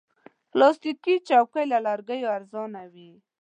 پلاستيکي چوکۍ له لرګیو ارزانه وي.